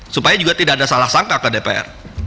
supaya juga tidak ada salah sangka ke dpr